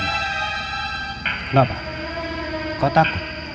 kenapa kau takut